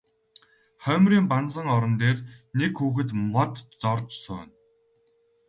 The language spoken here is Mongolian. Хоймрын банзан орон дээр нэг хүүхэд мод зорьж сууна.